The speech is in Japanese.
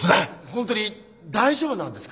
ホントに大丈夫なんですか？